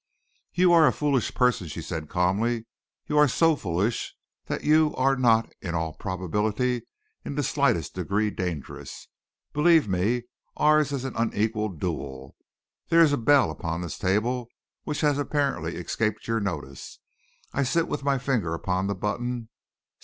"You are a foolish person," she said calmly. "You are so foolish that you are not, in all probability, in the slightest degree dangerous. Believe me, ours is an unequal duel. There is a bell upon this table which has apparently escaped your notice. I sit with my finger upon the button so.